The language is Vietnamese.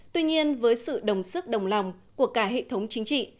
tuy nhiên với sự đồng sức đồng lòng của cả hệ thống chính trị